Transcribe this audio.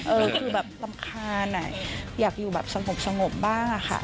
เออคือแบบรำคาญอยากอยู่แบบสงบบ้างอะค่ะ